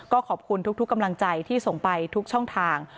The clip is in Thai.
ก็ขอบคุณทุกกำลังใจที่ส่งไปทุกช่องทาง